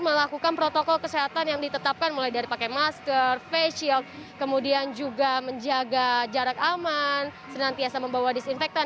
melakukan protokol kesehatan yang ditetapkan mulai dari pakai masker face shield kemudian juga menjaga jarak aman senantiasa membawa disinfektan